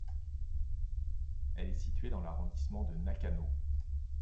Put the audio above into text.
Elle est située dans l'arrondissement de Nakano.